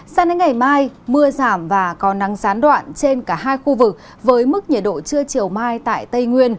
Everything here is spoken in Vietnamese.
sang đến ngày mai mưa giảm và có nắng gián đoạn trên cả hai khu vực với mức nhiệt độ trưa chiều mai tại tây nguyên